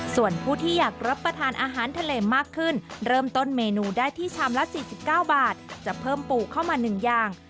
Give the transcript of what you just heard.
ส่วนผู้ที่อยากรับประทานอาหารทะเลมากขึ้นเริ่มต้นเมนูได้ที่ชามละ๔๙บาทจะเพิ่มปลูกเข้ามา๑อย่าง